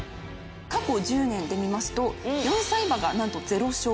過去１０年で見ますと４歳馬が何とゼロ勝。